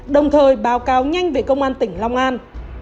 đồng thời báo cáo nhanh về công an tỉnh long an